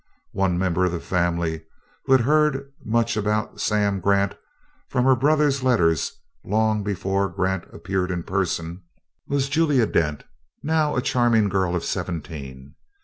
One member of the family who had heard much about "Sam" Grant from her brother's letters, long before Grant appeared in person, was Julia Dent now a charming girl of seventeen.